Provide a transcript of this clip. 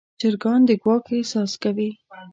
چرګان د ګواښ احساس کوي.